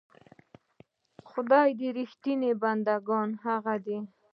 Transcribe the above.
د خدای رښتيني بندګان هغه دي.